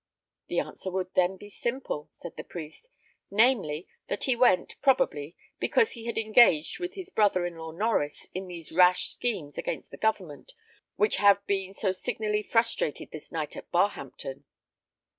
"The answer would then be simple," said the priest, "namely, that he went, probably, because he had engaged with his brother in law, Norries, in these rash schemes against the government which have been so signally frustrated this night at Barhampton."